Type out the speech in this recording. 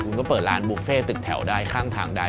คุณก็เปิดร้านบุฟเฟ่ตึกแถวได้ข้างทางได้